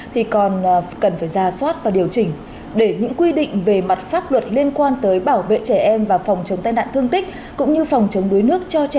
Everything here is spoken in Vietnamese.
thì còn có cả những lỗ hỏng trong việc dạy kỹ năng phòng trong đuối nước